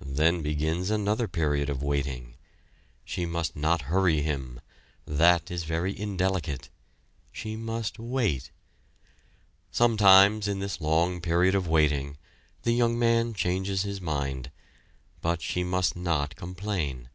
Then begins another period of waiting. She must not hurry him that is very indelicate she must wait. Sometimes, in this long period of waiting, the young man changes his mind, but she must not complain.